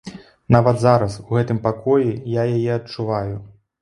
Нават зараз, у гэтым пакоі, я яе адчуваю.